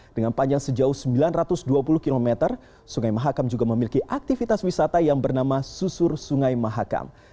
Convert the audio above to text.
dengan panjang sejauh sembilan ratus dua puluh km sungai mahakam juga memiliki aktivitas wisata yang bernama susur sungai mahakam